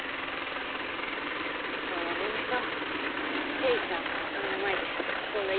もうやめましょ精二さんの墓の前でそんな嫌な話。